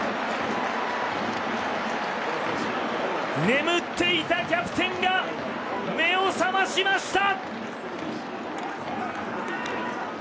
眠っていたキャプテンが目を覚ましました。